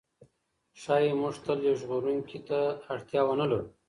ښایي موږ تل یو ژغورونکي ته اړتیا ونه لرو.